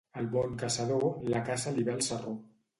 Al bon caçador, la caça li ve al sarró.